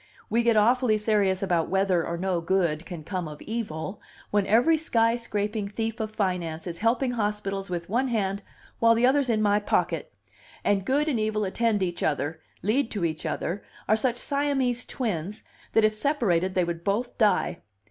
We get awfully serious about whether or no good can come of evil, when every sky scraping thief of finance is helping hospitals with one hand while the other's in my pocket; and good and evil attend each other, lead to each other, are such Siamese twins that if separated they would both die.